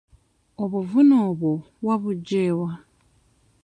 Obuvune obwo wabugye wa?